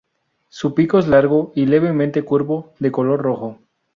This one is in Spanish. Su pico es largo y levemente curvo, de color rojo.